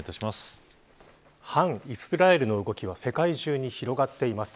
反イスラエルの動きは世界中に広がっています。